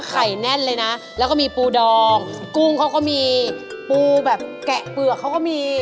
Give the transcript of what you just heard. แน่นเลยนะแล้วก็มีปูดองกุ้งเขาก็มีปูแบบแกะเปลือกเขาก็มี